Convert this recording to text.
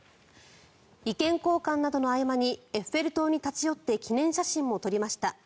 意見交換などの合間にエッフェル塔に立ち寄って記念写真も撮りました